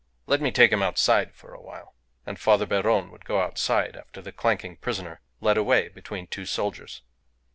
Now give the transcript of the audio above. Let me take him outside for a while." And Father Beron would go outside after the clanking prisoner, led away between two soldiers.